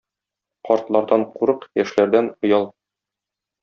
Картлардан курык, яшьләрдән оял.